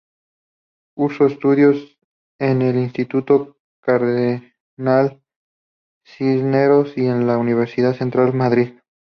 Cursó estudios en el Instituto Cardenal Cisneros y en la Universidad Central de Madrid.